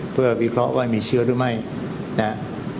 เพื่อวิเคราะห์ว่ามีเชื้อหรือไม่นะฮะ